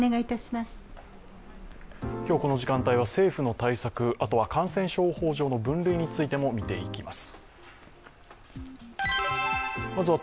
今日、この時間帯は政府の対策、あとは感染症法上の分類についても見ていきます。